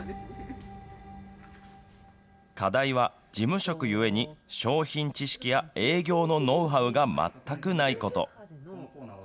課題は、事務職ゆえに、商品知識や営業のノウハウが全くないこと。